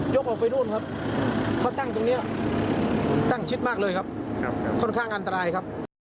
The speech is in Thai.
ยกออกไปนู่นครับเขาตั้งตรงเนี้ยตั้งชิดมากเลยครับ